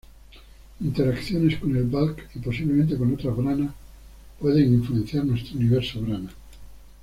Interacciones con el Bulk, y posiblemente con otras branas, pueden influenciar nuestro Universo brana.